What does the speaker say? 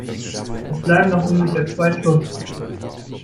Es bleiben noch ungefähr zwei Stunden.